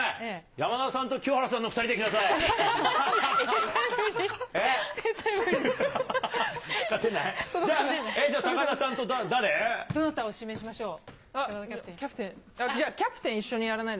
山田さんと清原さんの２人でいきなさい。